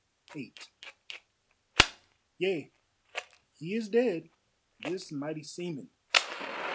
VIII Yea, he is dead; this mighty seaman!